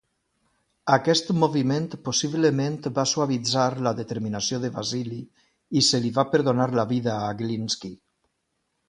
Aquest moviment possiblement va suavitzar la determinació de Vasili i se li va perdonar la vida a Glinski.